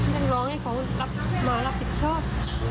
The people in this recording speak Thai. เรียกร้องให้เขามารับผิดชอบ